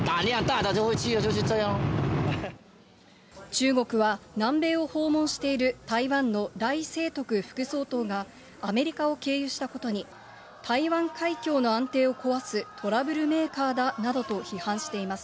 中国は、南米を訪問している台湾の頼清徳副総統が、アメリカを経由したことに、台湾海峡の安定を壊すトラブルメーカーだなどと批判しています。